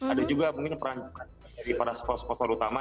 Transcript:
ada juga mungkin peran dari para spons sponsor utama